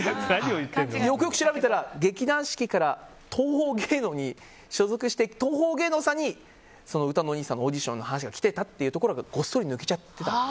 よくよく調べたら劇団四季から東宝芸能に所属して東宝芸能さんにうたのおにいさんのオーディションの話が来ていたというところが知らないよね